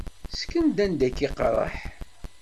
Ssken-d anda i k-iqerreḥ.